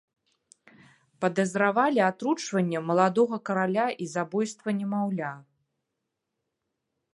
Падазравалі атручванне маладога караля і забойства немаўля.